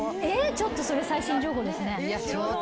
ちょっとそれ最新情報ですね。